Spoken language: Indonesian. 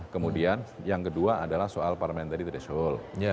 kemudian yang kedua adalah soal parliamentary threshold